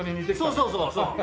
そうそうそうそう。